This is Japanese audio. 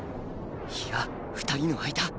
いや２人の間